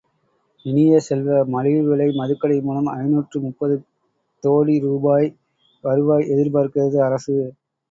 இனிய செல்வ மலிவு விலை மதுக்கடை மூலம் ஐநூற்று முப்பது தோடி ரூபாய் வருவாய் எதிர்பார்க்கிறது அரசு.